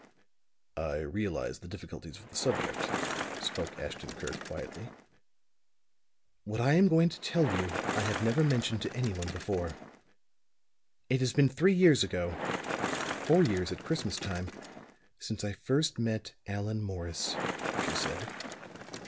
"I realize the difficulties of the subject," spoke Ashton Kirk quietly. "What I am going to tell you, I have never mentioned to anyone before. It has been three years ago four years at Christmas time since I first met Allan Morris," she said.